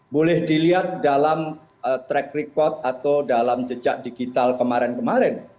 boleh dilihat dalam track record atau dalam jejak digital kemarin kemarin